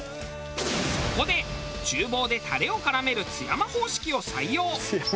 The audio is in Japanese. そこで厨房でタレを絡める津山方式を採用。